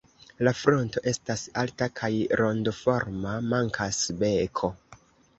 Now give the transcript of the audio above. La fronto estas alta kaj rondoforma; mankas beko.